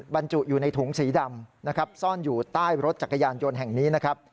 บรรจุอยู่ในถุงสีดำซ่อนอยู่ใต้รถจักรยานยนต์แห่งนี้